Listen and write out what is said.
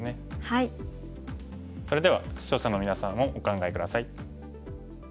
それでは視聴者のみなさんもお考え下さい。